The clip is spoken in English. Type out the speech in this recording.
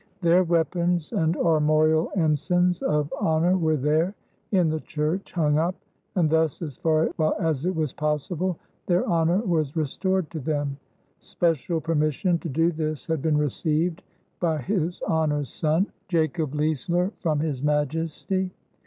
Their weapons and armorial ensigns of honor were there [in the Church] hung up, and thus, as far as it was possible, their honor was restored to them. Special permission to do this had been received by his Honor's son, Jacob Leisler, from his Majesty.